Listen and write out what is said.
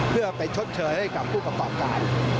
เพื่อไปชดเชยให้กับผู้ประกอบการ